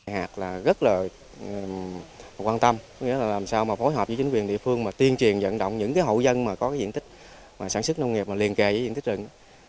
hạt là rất là quan tâm làm sao phối hợp với chính quyền địa phương tiên truyền vận động những hậu dân có diện tích sản xuất nông nghiệp liên kề với diện tích rừng